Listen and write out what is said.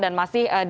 dan masih dikawal